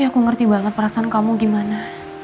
aku ngerti banget perasaan kamu gimana